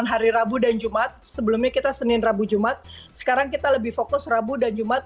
hari rabu dan jumat sebelumnya kita senin rabu jumat sekarang kita lebih fokus rabu dan jumat